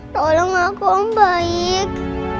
tolong aku om baik